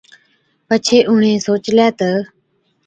پڇي اُڻهين سوچلَي تہ،